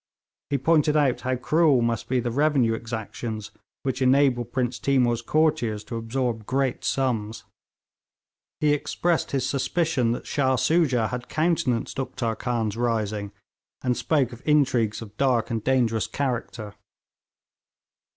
He pointed out how cruel must be the revenue exactions which enabled Prince Timour's courtiers to absorb great sums. He expressed his suspicion that Shah Soojah had countenanced Uktar Khan's rising, and spoke of intrigues of dark and dangerous character.